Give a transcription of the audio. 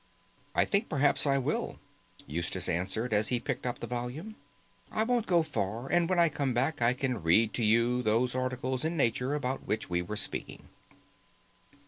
"I think perhaps I will," Eustace answered as he picked up the volume. "I won't go far, and when I come back I can read to you those articles in Nature about which we were speaking."